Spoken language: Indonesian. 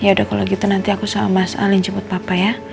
ya udah kalau gitu nanti aku sama mas alim jemput papa ya